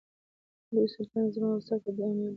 لوی سلطانه زما و سر ته دي امان وي